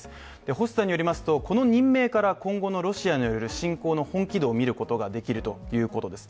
星さんによりますと、この任命から今後のロシアによる侵攻の本気度を見ることができるということです。